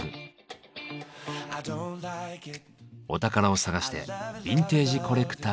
お宝を探してビンテージコレクターのお宅へ。